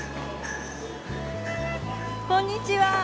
こんにちは。